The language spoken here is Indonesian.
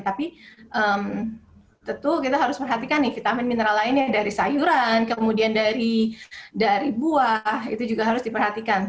tapi tentu kita harus perhatikan nih vitamin mineral lainnya dari sayuran kemudian dari buah itu juga harus diperhatikan